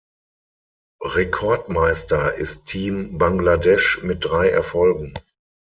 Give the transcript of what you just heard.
Rekordmeister ist Team Bangladesh mit drei Erfolgen.